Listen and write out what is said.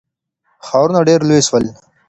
ښارونه ډیر لوی سول.